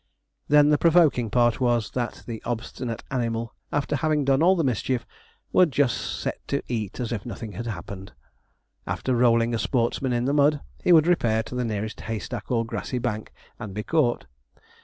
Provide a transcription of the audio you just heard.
Then the provoking part was, that the obstinate animal, after having done all the mischief, would just set to to eat as if nothing had happened. After rolling a sportsman in the mud, he would repair to the nearest hay stack or grassy bank, and be caught.